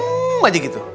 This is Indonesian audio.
tunggu aja gitu